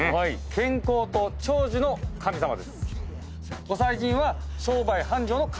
健康と長寿の神様です。